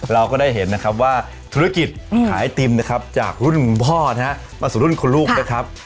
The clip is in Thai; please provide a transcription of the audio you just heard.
เราก็ได้เห็นนะครับว่าธุรกิจขายไอติมนะครับจากรุ่นคุณพ่อนะฮะมาสู่รุ่นคุณลูกนะครับ